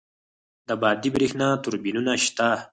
د بادی بریښنا توربینونه شته؟